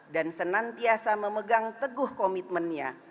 dan senantiasa memegang teguh komitmennya